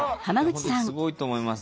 本当にすごいと思います。